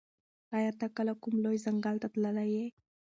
ایا ته کله کوم لوی ځنګل ته تللی یې؟